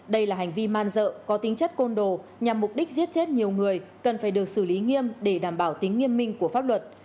đây là hành vi man dợ có tính chất côn đồ nhằm mục đích giết chết nhiều người cần phải được xử lý nghiêm để đảm bảo tính nghiêm minh của pháp luật